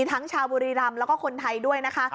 ทั้งชาวบุรีรำแล้วก็คนไทยด้วยนะคะ